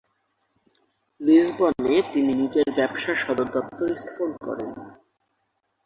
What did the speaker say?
লিসবনে তিনি নিজের ব্যবসার সদর দপ্তর স্থাপন করেন।